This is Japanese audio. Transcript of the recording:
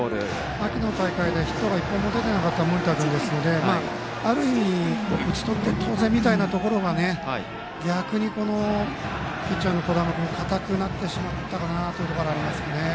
秋の大会でヒットが１本も出ていなかった盛田君ですのである意味、打ち取って当然みたいなところが逆にピッチャーの小玉君硬くなってしまったかなというところがありますね。